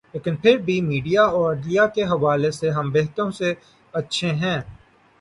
لیکن پھر بھی میڈیا اور عدلیہ کے حوالے سے ہم بہتوں سے اچھے ہیں۔